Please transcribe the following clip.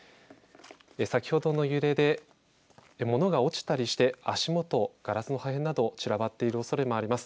先ほどの揺れで物が落ちたりして足元ガラスの破片など散らばっているおそれもあります。